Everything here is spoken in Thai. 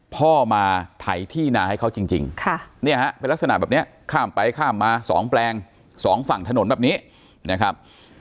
พ่อมาไถที่นาให้เขาจริงเป็นลักษณะแบบนี้ข้ามไปข้ามมา๒แปลงสองฝั่งถนนแบบนี้นะครับ